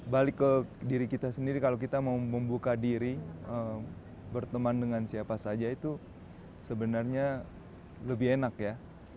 balik ke diri kita sendiri kalau kita mau membuka diri berteman dengan siapa saja itu sebenarnya lebih enak ya